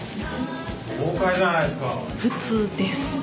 豪快じゃないですか。